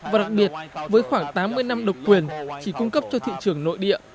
và đặc biệt với khoảng tám mươi năm độc quyền chỉ cung cấp cho thị trường nội địa